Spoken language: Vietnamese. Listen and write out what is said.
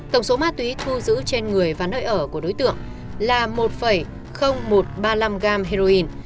tổng số ma túy thu giữ trên người và nơi ở của đối tượng là một một trăm ba mươi năm gram heroin